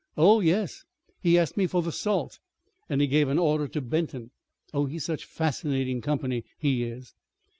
"Oh, yes. He asked me for the salt, and he gave an order to Benton. Oh, he's such fascinating company he is!"